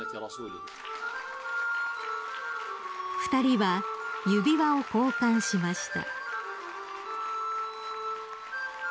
［２人は指輪を交換しました］